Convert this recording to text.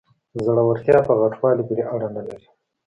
زړورتیا په غټوالي پورې اړه نلري.